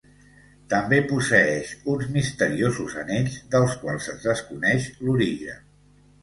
També posseeix uns misteriosos anells, dels quals es desconeix l'origen.